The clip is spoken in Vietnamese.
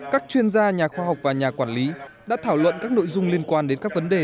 các chuyên gia nhà khoa học và nhà quản lý đã thảo luận các nội dung liên quan đến các vấn đề